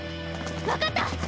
分かった！